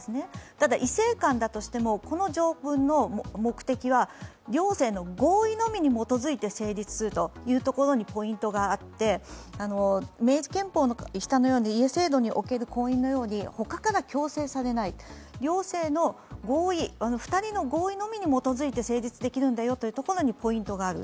ただ、異性間だとしてもこの条文の目的は両性の合意のみに基づいて成立するというところにポイントがあって、憲法に明示されている家制度の婚姻のように他から強制されない、２人の合意のみに基づいて成立できるんだよというところにポイントがある。